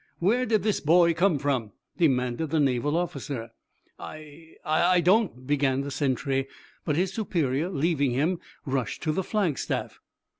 "Where did this boy come from?" demanded the Naval officer. "I I don't " began the sentry, but his superior, leaving him, rushed to the flagstaff.